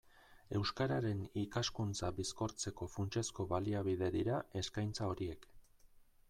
Euskararen ikaskuntza bizkortzeko funtsezko baliabide dira eskaintza horiek.